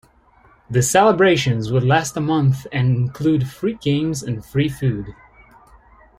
The celebrations would last a month and include free games and free food.